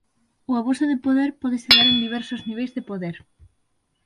O abuso de poder pódese dar en diversos niveis de poder.